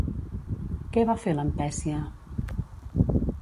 Què va fer Lampècia?